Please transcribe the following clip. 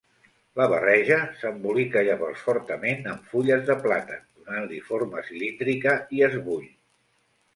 La barreja s'embolica llavors fortament amb fulles de plàtan donant-li forma cilíndrica i es bull.